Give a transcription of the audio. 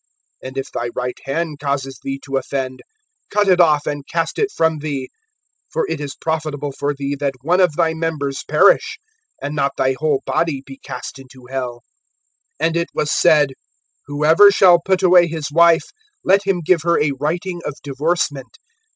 (30)And if thy right hand causes thee to offend, cut it off and cast it from thee; for it is profitable for thee that one of thy members perish, and not thy whole body be cast into hell. (31)And it was said: Whoever shall put away his wife, let him give her a writing of divorcement.